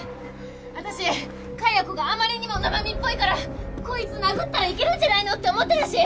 私伽椰子があまりにも生身っぽいからこいつ殴ったらいけるんじゃないの？って思ってたし！